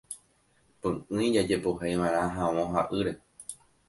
Py'ỹi jajepoheiva'erã havõ ha ýre.